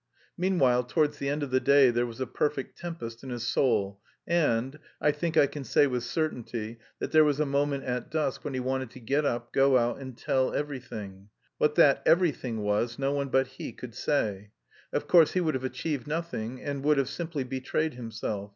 Meanwhile, towards the end of the day there was a perfect tempest in his soul, and... I think I can say with certainty that there was a moment at dusk when he wanted to get up, go out and tell everything. What that everything was, no one but he could say. Of course he would have achieved nothing, and would have simply betrayed himself.